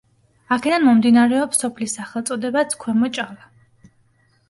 აქედან მომდინარეობს სოფლის სახელწოდებაც ქვემო ჭალა.